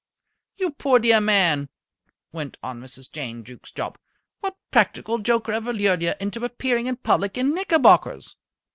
"You poor dear man!" went on Mrs. Jane Jukes Jopp. "What practical joker ever lured you into appearing in public in knickerbockers?"